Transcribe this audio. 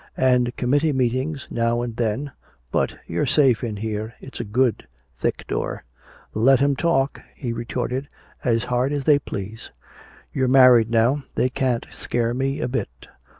"And committee meetings now and then. But you're safe in here, it's a good thick door." "Let 'em talk," he retorted, "as hard as they please. You're married now they can't scare me a bit.